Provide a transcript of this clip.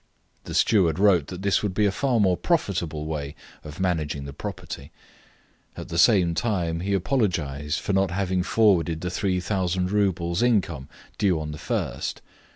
The steward wrote that this would be a far more profitable way of managing the property; at the same time, he apologised for not having forwarded the 3,000 roubles income due on the 1st.